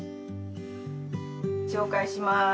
紹介します。